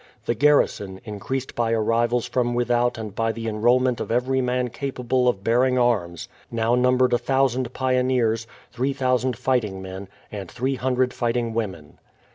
The garrison, increased by arrivals from without and by the enrollment of every man capable of bearing arms, now numbered a thousand pioneers, three thousand fighting men, and three hundred fighting women.